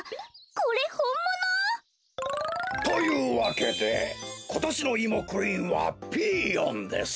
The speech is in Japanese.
これほんもの！？というわけでことしのイモクイーンはピーヨンです。